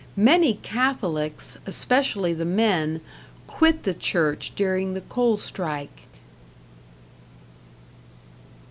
Many Catholics, especially the men, quit the church during the coal strike.